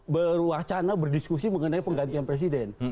berwacana berdiskusi mengenai penggantian presiden